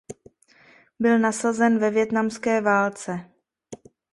Byl nasazen ve Vietnamské válce.